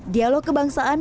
di alok kebangsaan